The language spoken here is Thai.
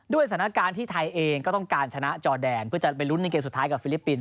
สถานการณ์ที่ไทยเองก็ต้องการชนะจอแดนเพื่อจะไปลุ้นในเกมสุดท้ายกับฟิลิปปินส